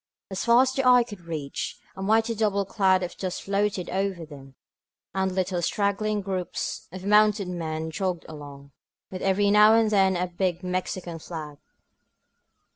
As far as the eye could reach, a mighty double cloud of dust floated over them ; and little straggling groups of mounted men jogged along, with every now and then a big Mexican flag.